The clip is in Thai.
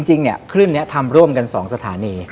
จริงเนี่ยคลื่นนี้ทำร่วมกัน๒สถานี